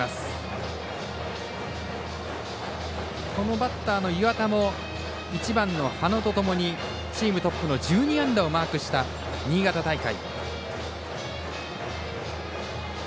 バッターの岩田も１番の土野とともにチームトップの１２安打をマークした新潟大会。